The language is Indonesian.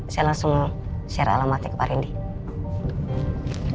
saya langsung share alamatnya ke pak rindy